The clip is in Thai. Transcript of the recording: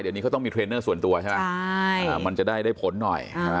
เดี๋ยวนี้ก็ต้องมีเทรนเนอร์ส่วนตัวใช่ปะใช่อ่ามันจะได้ได้ผลหน่อย